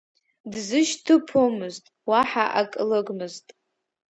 Дзышьҭыԥомызт, уаҳа ак лыгмызт.